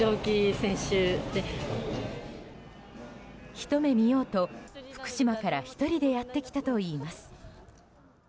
ひと目見ようと、福島から１人でやってきたといいます。